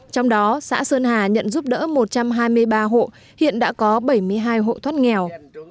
trong đó xã sơn hà nhận giúp đỡ một trăm hai mươi ba hộ hiện đã có bảy mươi hai hộ thoát nghèo